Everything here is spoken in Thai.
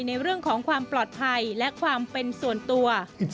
ในเรื่องของความปลอดภัยและความเป็นส่วนตัว